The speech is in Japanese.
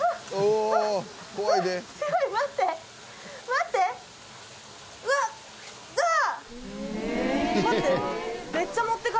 待って。